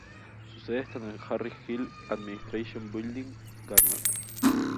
Su sede está en el Harris Hill Administration Building, Garland.